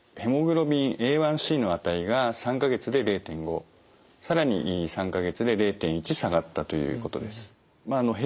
ＨｂＡ１ｃの値が３か月で０．５更に３か月で０．１下がったということです。